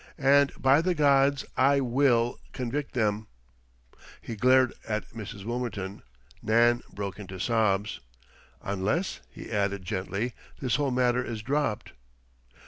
And, by the gods! I will convict them!" He glared at Mrs. Wilmerton. Nan broke into sobs. "Unless," he added gently, "this whole matter is dropped."